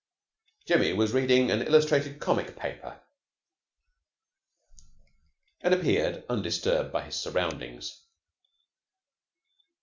Jimmy was reading an illustrated comic paper, and appeared undisturbed by his surroundings.